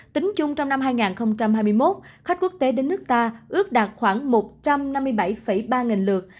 tính chung trong năm hai nghìn hai mươi một khách quốc tế đến nước ta ước đạt khoảng một trăm năm mươi bảy ba nghìn lượt